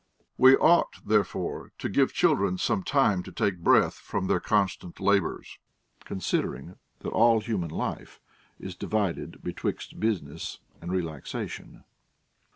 W(; ought therefore to give children some time to take breath fiom their constant labors, considering that all human life is divided betwixt business and relaxation.